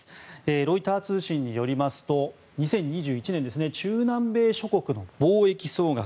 ロイター通信によりますと２０２１年中南米諸国の貿易総額。